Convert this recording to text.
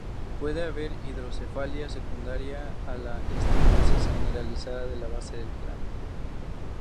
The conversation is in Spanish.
Puede haber hidrocefalia secundaria a la estenosis generalizada de la base del cráneo.